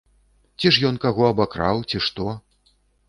Ці ж ён каго абакраў, ці што?